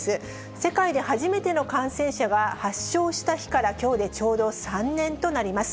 世界で初めての感染者が発症した日からきょうでちょうど３年となります。